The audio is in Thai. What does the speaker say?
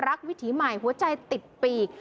วิถีใหม่หัวใจติดปีก